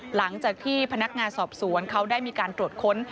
หลังจากที่พนักงานสอบสวนเขาได้มีการตรวจค้น